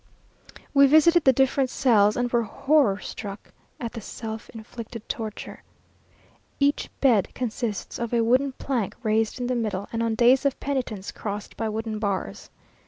We visited the different cells, and were horror struck at the self inflicted tortures. Each bed consists of a wooden plank raised in the middle, and on days of penitence crossed by wooden bars.